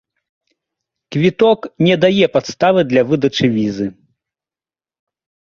Квіток не дае падставы для выдачы візы.